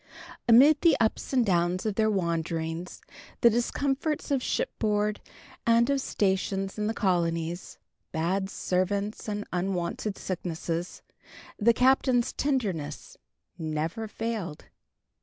Amid the ups and downs of their wanderings, the discomforts of shipboard and of stations in the colonies, bad servants, and unwonted sicknesses, the Captain's tenderness never failed.